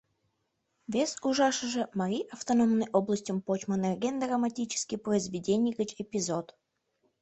Вес ужашыже — Марий автономный областьым почмо нерген драматический произведений гыч эпизод.